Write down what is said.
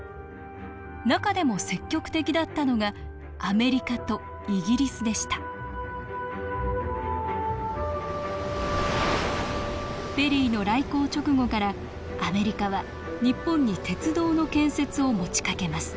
中でも積極的だったのがアメリカとイギリスでしたペリーの来航直後からアメリカは日本に鉄道の建設を持ちかけます。